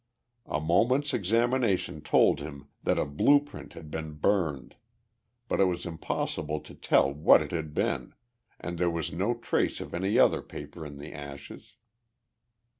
A moment's examination told him that a blue print had been burned, but it was impossible to tell what it had been, and there was no trace of any other paper in the ashes.